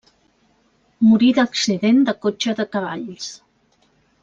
Morí d'accident de cotxe de cavalls.